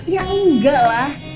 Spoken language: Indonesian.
ya enggak lah